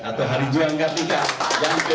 atau hari juang katika yang ke tujuh puluh dua